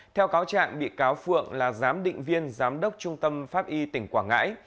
theo cáo trạng bị cáo phượng là giám định viên giám đốc trung tâm pháp y tỉnh quảng ngãi